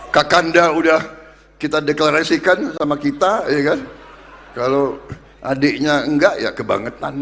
kakanda udah kita deklarasikan sama kita kalau adiknya enggak ya kebangetan